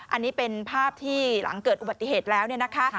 อันนี้เป็นภาพที่หลังเกิดอุบัติเหตุแล้วเนี่ยนะคะ